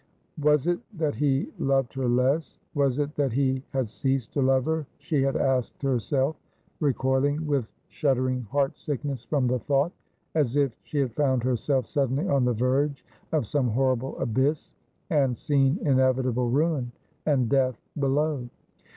' Was it that he loved her less ? Was it that he had ceased to love her ?' she had asked herself, recoiling with shuddering heart sickness from the thought ; as if she had found herself suddenly on the verge of some horrible abyss, and seen inevitable ruin and death below.